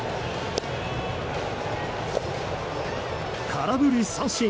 空振り三振。